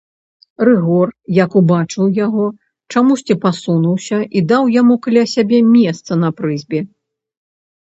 Рыгор, як убачыў яго, чамусьці пасунуўся і даў яму каля сябе месца на прызбе.